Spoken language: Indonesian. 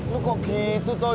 lu kok gitu toh